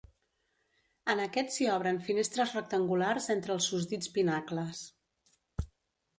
En aquest s'hi obren finestres rectangulars entre els susdits pinacles.